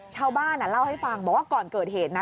ชาวบ้านเล่าให้ฟังบอกว่าก่อนเกิดเหตุนะ